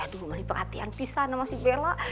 aduh manis perhatian pisah sama si bella